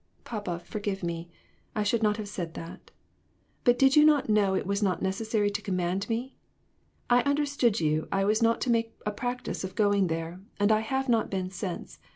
"Papa, forgive me. I should not have said that. But did you not know it was not necessary to command me ? I understood you I was not to make a practice of going there, and I have not been since.